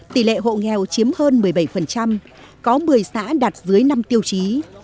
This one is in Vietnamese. tỷ lệ hộ nghèo chiếm hơn một mươi bảy có một mươi xã đạt dưới năm tiêu chí